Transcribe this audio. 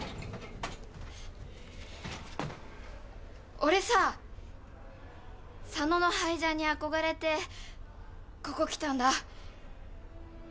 俺さ佐野のハイジャンに憧れてここ来たんだ。